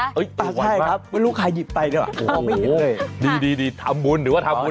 ราญมากค่ะมันลูกใครหยิบไปเหรอะก็ไม่หินเลยดีดีทำบุญหรือว่าทำบุญ